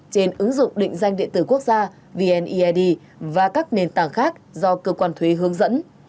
trên ứng dụng định danh điện tử quốc gia vneid và các nền tảng khác do cơ quan thuế hướng dẫn